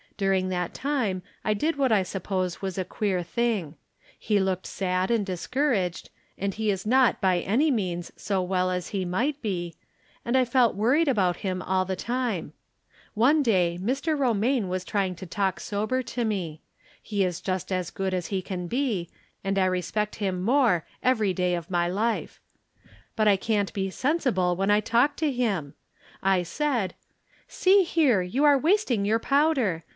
During that time I did what I suppose was a queer thing. He looked sad and discouraged, and he is not by any 90 From Different Standpoints. means so well as he might be, and I felt worried about him all the time. One day JMr. Romaine was trying to talk sober to me. He is just as good as he can be, and I respect him more every day of my life. But I can't be sensible when I talk to him. I said :" See here, you are wasting youx powder.